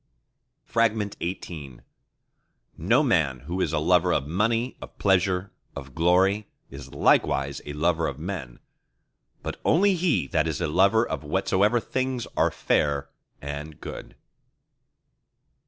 XVIII No man who is a lover of money, of pleasure, of glory, is likewise a lover of Men; but only he that is a lover of whatsoever things are fair and good.